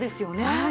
はい。